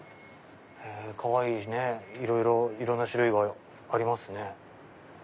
かわいいねいろんな種類がありますね。